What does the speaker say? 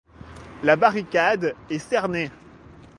La barricade est cernée.